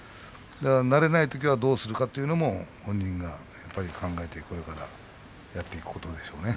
なれないときはどうなるかというと、本人は考えて、これからやっていくことでしょうね。